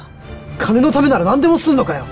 金のためなら何でもするのかよ！